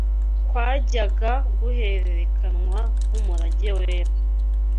kwajyaga guhererekanywa nk’umurage wera